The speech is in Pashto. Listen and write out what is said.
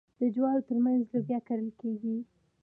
د جوارو ترمنځ لوبیا کرل کیږي.